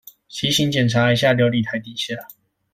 提醒檢查一下流理台底下